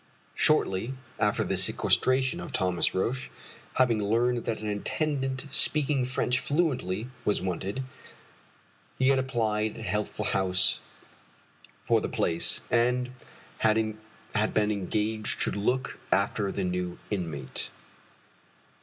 Shortly after the sequestration of Thomas Roch, having learned that an attendant speaking French fluently was wanted, he had applied at Healthful House for the place, and had been engaged to look after the new inmate.